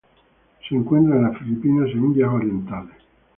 Se encuentra en las Filipinas e Indias Orientales.